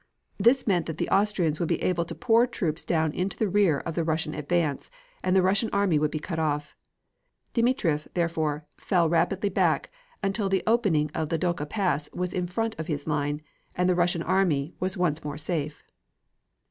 This meant that the Austrians would be able to pour troops down into the rear of the Russian advance, and the Russian army would be cut off. Dmitrieff, therefore, fell rapidly back, until the opening of the Dukla Pass was in front of his line, and the Russian army was once more safe.